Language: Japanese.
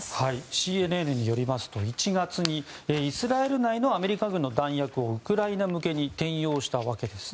ＣＮＮによりますと１月にイスラエル内のアメリカ軍の弾薬をウクライナ向けに転用したわけです。